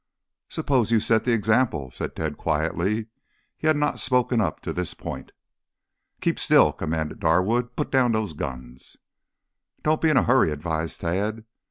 "Suppose you set the example," said Tad quietly. He had not spoken up to this point. "Keep still!" commanded Darwood. "Put down those guns." "Don't be in a hurry," advised Tad.